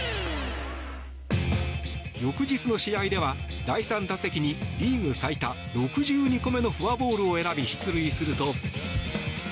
翌日の試合では第３打席にリーグ最多６２個のフォアボールを選び出塁すると。